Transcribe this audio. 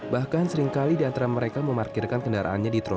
bahkan seringkali di antara mereka memarkirkan kendaraan